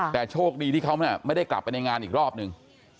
แต่โชคดีที่เขาไม่ได้กลับไปในงานอีกรอบนึง